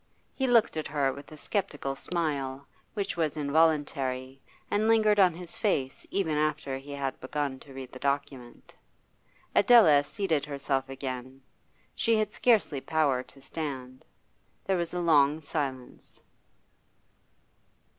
He looked at her with a sceptical smile, which was involuntary, and lingered on his face even after he had begun to read the document. Adela seated herself again; she had scarcely power to stand. There was a long silence.